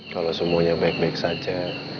kalau semuanya baik baik saja